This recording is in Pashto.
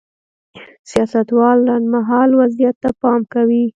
سیاستوال لنډ مهال وضعیت ته پام کوي.